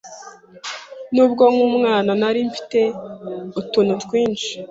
N’ubwo nk’umwana nari mfite utuntu twinshi